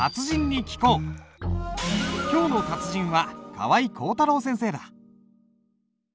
今日の達人は川合広太郎先生だ。